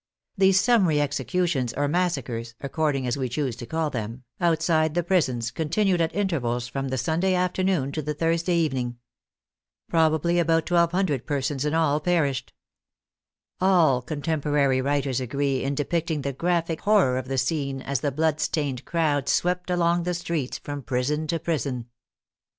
These summary executions or massacres (according as we choose to call them) outside the prisons, continued at intervals from the Sunday after noon to the Thursday evening. Probably about 1,200 persons in all perished. All contemporary writers agree in depicting the graphic horror of the scene as the blood stained crowd swept along the streets from prison to prison.